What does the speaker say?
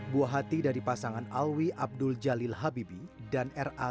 buah hati dari pasangan alwi abdul jalil habibi dan ra